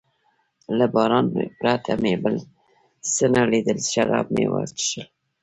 له باران پرته مې بل څه نه لیدل، شراب مې و څښل.